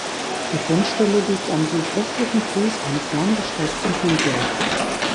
Die Fundstelle liegt am südöstlichen Fuß eines langgestreckten Hügels.